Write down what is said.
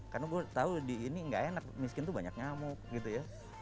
karena gue tau di ini ngga enak miskin tuh banyak nyamuk gitu ya